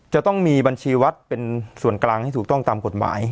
จะต้องมีบัญชีวัดเป็นส่วนกลางให้ถูกต้องตามกฎหมาย